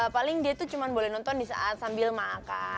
paling dia tuh cuma boleh nonton di saat sambil makan